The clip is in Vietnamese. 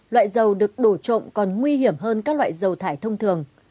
loại dầu được đổ trộm còn nguy hiểm hơn các loại dầu thải thông thường